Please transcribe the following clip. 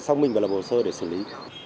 sau mình và lập hồ sơ để xử lý